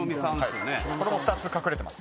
これも２つ隠れてます。